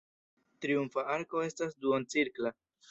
Triumfa arko estas duoncirkla.